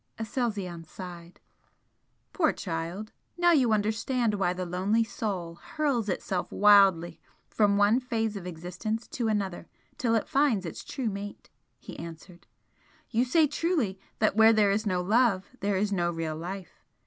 Aselzion sighed. "Poor child! Now you understand why the lonely Soul hurls itself wildly from one phase of existence to another till it finds its true mate!" he answered "You say truly that where there is no love there is no real life.